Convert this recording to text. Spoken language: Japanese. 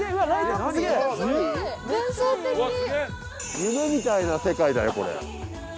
夢みたいな世界だよこれ。